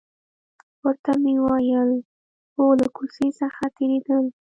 ورته ومې ویل: هو، له کوڅې څخه تېرېدل.